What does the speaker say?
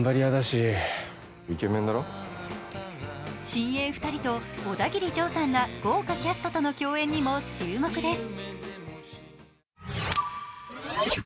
新鋭２人とオダギリジョーさんら豪華キャストとの共演にも注目です。